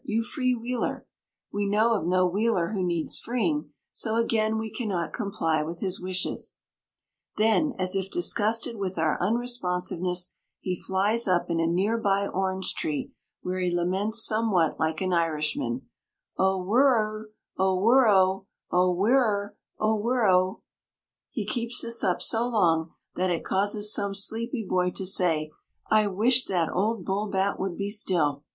You free Wheeler!" We know of no Wheeler who needs freeing, so again we cannot comply with his wishes. Then, as if disgusted with our unresponsiveness, he flies up in a near by orange tree where he laments somewhat like an Irishman: "O whirr r, whirro! O whirr r, whirro!" He keeps this up so long that it causes some sleepy boy to say: "I wish that old bull bat would be still."